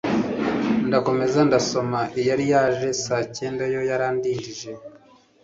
ndakomeza ndasoma iyari yaje saacyenda yoyo yarandijije